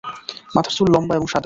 মাথার চুল লম্বা এবং সাদা।